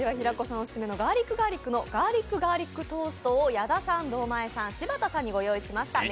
オススメのＧａｒｌｉｃ×Ｇａｒｌｉｃのガーリック×ガーリックトーストを矢田さん、堂前さん柴田さんにご用意しました。